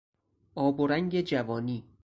آب و رنگ جوانی